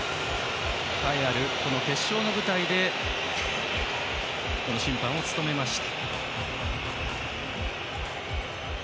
栄えあるこの決勝の舞台で審判を務めました。